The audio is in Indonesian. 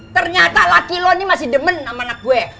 ternyata laki lo ini masih demen sama anak gue